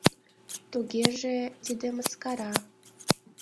Тугеже, тиде мыскара.